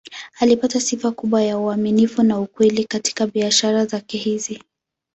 Alipata sifa kubwa ya uaminifu na ukweli katika biashara zake hizi.